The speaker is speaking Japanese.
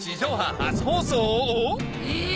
え？